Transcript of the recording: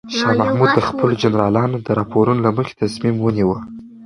شاه محمود د خپلو جنرالانو د راپورونو له مخې تصمیم ونیو.